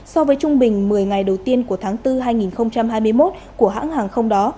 so với trung bình một mươi ngày đầu tiên của tháng bốn hai nghìn hai mươi một của hãng hàng không đó